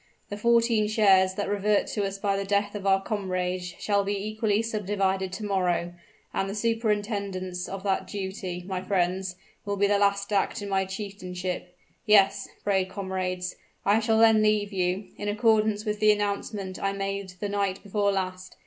The fourteen shares that revert to us by the death of our comrades shall be equally subdivided to morrow; and the superintendence of that duty, my friends, will be the last act in my chieftainship. Yes, brave comrades, I shall then leave you, in accordance with the announcement I made the night before last.